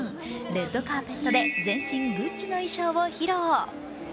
レッドカーペットで全身グッチの衣装を披露。